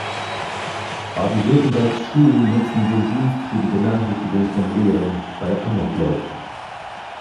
Baden-Württembergs Schulen nutzen den Dienst für die Benachrichtigung von Lehrern bei Amokläufen.